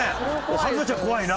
春奈ちゃん怖いな。